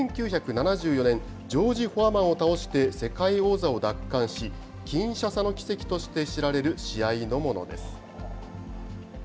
１９７４年、ジョージ・フォアマンを倒して世界王座を奪還し、キンシャサの奇跡として知られる試合のものです。